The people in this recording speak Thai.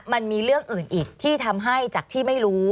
มันมีเรื่องอื่นอีกที่ทำให้จากที่ไม่รู้